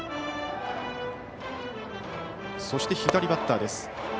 そして、左バッターです。